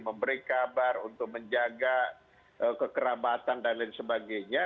memberi kabar untuk menjaga kekerabatan dan lain sebagainya